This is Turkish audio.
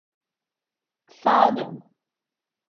Sağa dön.